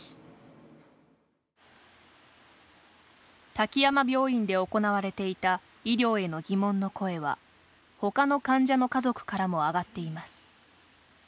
滝山病院で行われていた医療への疑問の声は他の患者の家族からも上がっています。